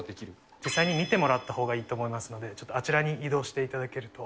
実際に見てもらったほうがいいと思いますので、ちょっとあちらに移動していただけると。